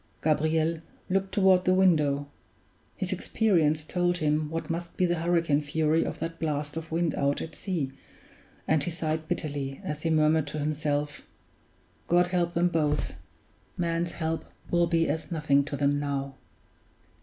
Gabriel looked toward the window; his experience told him what must be the hurricane fury of that blast of wind out at sea, and he sighed bitterly as he murmured to himself, "God help them both man's help will be as nothing to them now!"